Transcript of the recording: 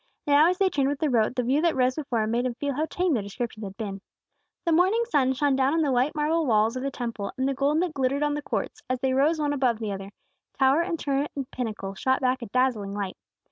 Now as they turned with the road, the view that rose before him made him feel how tame their descriptions had been. The morning sun shone down on the white marble walls of the Temple and the gold that glittered on the courts, as they rose one above the other; tower and turret and pinnacle shot back a dazzling light.